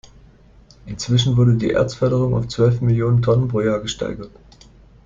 Inzwischen wurde die Erzförderung auf zwölf Millionen Tonnen pro Jahr gesteigert.